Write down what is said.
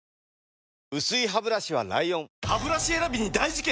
薄いハブラシは ＬＩＯＮハブラシ選びに大事件！